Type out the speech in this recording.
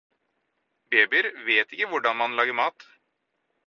Babyer vet ikke hvordan man lager mat.